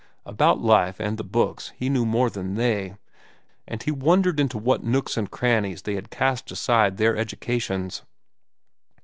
About life and the books he knew more than they, and he wondered into what nooks and crannies they had cast aside their educations.